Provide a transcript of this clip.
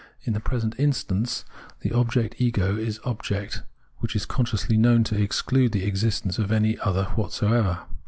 In the present instance, the object ego is object which is consciously known to exclude the existence of any other whatsoever.